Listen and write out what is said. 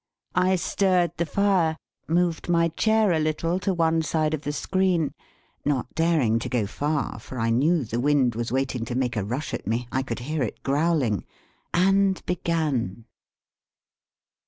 I stirred the fire, moved my chair a little to one side of the screen, not daring to go far, for I knew the wind was waiting to make a rush at me, I could hear it growling, and began.